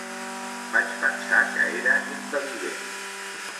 Vaig pensar que era intel·ligent.